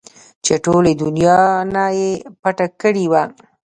چې ټولې دونيا نه يې پټه کړې وه.